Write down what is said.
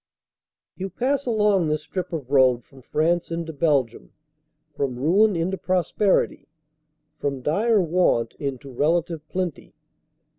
* You pass along this strip of road from France into Belgium from ruin into prosperity, from dire want into relative plenty.